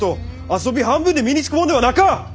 遊び半分で身につくもんではなか！